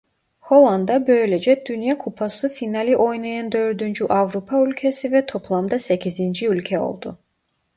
Hollanda böylece Dünya Kupası finali oynayan dördüncü Avrupa ülkesi ve toplamda sekizinci ülke oldu.